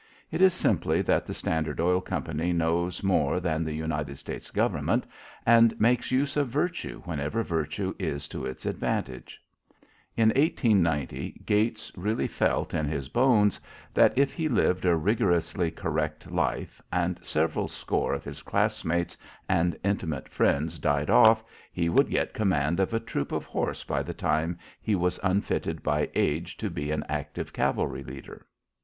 It is simply that the Standard Oil Company knows more than the United States Government and makes use of virtue whenever virtue is to its advantage. In 1890 Gates really felt in his bones that, if he lived a rigorously correct life and several score of his class mates and intimate friends died off, he would get command of a troop of horse by the time he was unfitted by age to be an active cavalry leader.